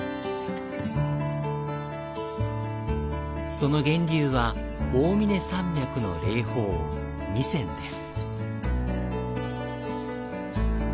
その源流は、大峰山脈の霊峰、弥山です。